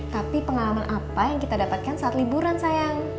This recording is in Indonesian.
tapi pengalaman apa yang kita dapatkan saat liburan sayang